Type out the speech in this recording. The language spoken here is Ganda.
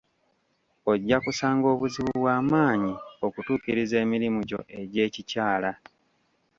Ojja kusanga obuzibu bwa maanyi okutuukiriza emirimu gyo egyekikyala.